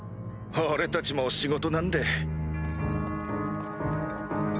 俺たちも仕事なんで。